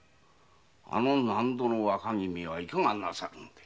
あの納戸の若君はいかがなさるので？